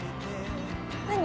何？